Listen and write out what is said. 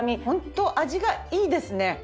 本当味がいいですね。